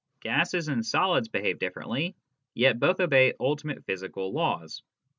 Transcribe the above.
Gases and solids behave differently, yet both obey ultimate physical laws.